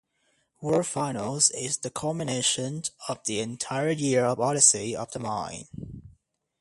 World Finals is the culmination of the entire year of Odyssey of the Mind.